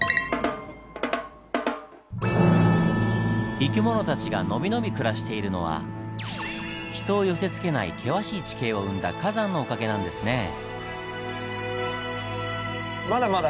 生き物たちが伸び伸び暮らしているのは人を寄せつけない険しい地形を生んだ火山のおかげなんですねぇ。